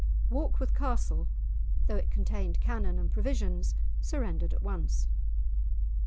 Warkworth Castle, though it contained cannon and provisions, surrendered at once.